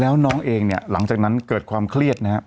แล้วน้องเองเนี่ยหลังจากนั้นเกิดความเครียดนะครับ